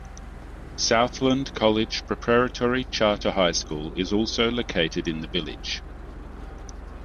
Southland College Preparatory Charter High School is also located in the village.